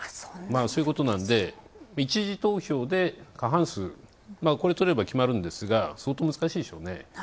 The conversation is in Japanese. そういうことなんで、一次投票で過半数、これ取れば決まるんですが、相当、難しいでしょうね。